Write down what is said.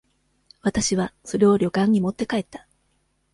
私は、それを旅館に持って帰った。